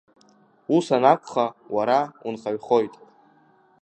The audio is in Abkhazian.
Ус анакәха, уара унхаҩхоит.